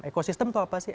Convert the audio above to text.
ekosistem itu apa sih